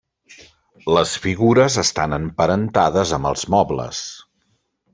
Les figures estan emparentades amb els mobles.